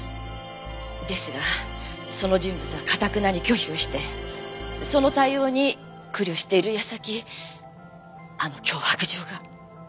ですがその人物は頑なに拒否をしてその対応に苦慮している矢先あの脅迫状が。